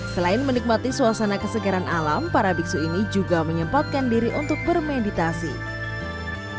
selain menikmati suasana kesegaran alam para biksu ini juga menyempatkan diri untuk bermeditasi